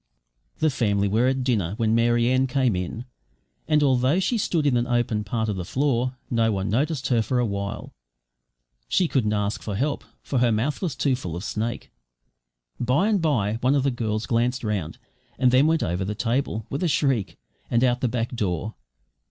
The family were at dinner when Mary Ann came in, and, although she stood on an open part of the floor, no one noticed her for a while. She couldn't ask for help, for her mouth was too full of snake. By and bye one of the girls glanced round, and then went over the table, with a shriek, and out of the back door.